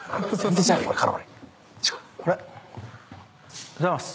おはようございます。